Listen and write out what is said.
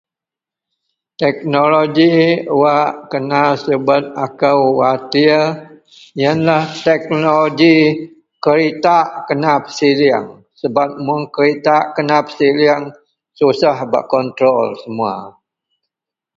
teknologi wak kena subet akou khawtir ienlah teknologi keretak kena pesiling sebab mun keretak kena pesiling susah bak control semua